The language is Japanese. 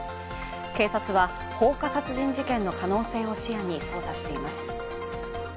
警察は放火殺人事件の可能性を視野に捜査しています。